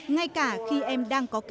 ngay cả khi em đang có khó khăn